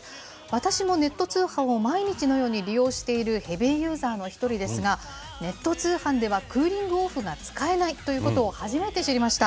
私もネット通販を毎日のように利用しているヘビーユーザーの一人ですが、ネット通販ではクーリングオフが使えないということを、初めて知りました。